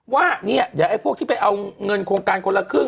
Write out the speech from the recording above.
ว่าเนี่ยเดี๋ยวไอ้พวกที่ไปเอาเงินโครงการคนละครึ่ง